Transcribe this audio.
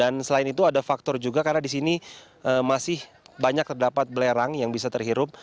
dan selain itu ada faktor juga karena di sini masih banyak terdapat belerang yang bisa terhirup